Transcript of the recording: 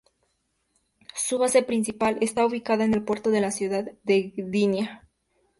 Su base principal está ubicada en el puerto de la ciudad de Gdynia.